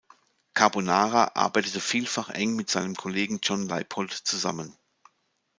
Carbonara arbeitete vielfach eng mit seinem Kollegen John Leipold zusammen.